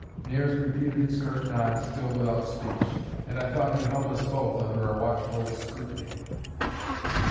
Nares repeated his curt nod, still without speech; and I thought he held us both under a watchful scrutiny.